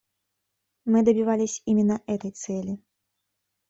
Мы добивались именно этой цели.